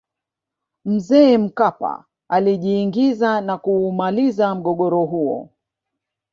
mzee mkapa alijiingiza na kuumaliza mgogoro huo